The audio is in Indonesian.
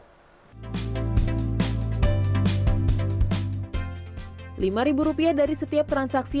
klinik ibuku telah memiliki lima rupiah dari setiap transaksi